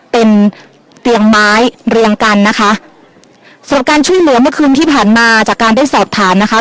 เป็นเตียงไม้เรียงกันนะคะส่วนการช่วยเหลือเมื่อคืนที่ผ่านมาจากการได้สอบถามนะคะ